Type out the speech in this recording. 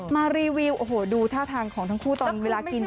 รีวิวโอ้โหดูท่าทางของทั้งคู่ตอนเวลากิน